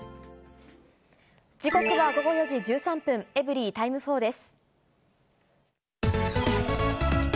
時刻は午後４時１３分、エブリィタイム４です。